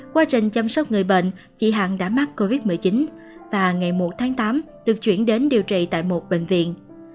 quá trình chăm sóc người bệnh chị hằng đã mắc covid một mươi chín và ngày một tháng tám được chuyển đến điều trị tại một bệnh viện